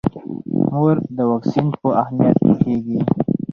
مور د واکسین په اهمیت پوهیږي.